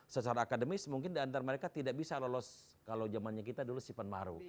secara akademis mungkin diantara mereka tidak bisa lolos kalau zamannya kita dulu sipan maru